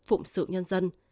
phụng sự nhân dân